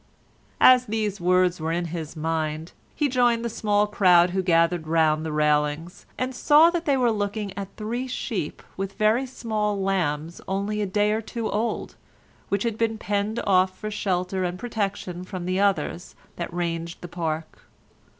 As these words were in his mind he joined the small crowd who were gathered round the railings, and saw that they were looking at three sheep with very small lambs only a day or two old, which had been penned off for shelter and protection from the others that ranged the park.